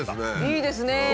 いいですね！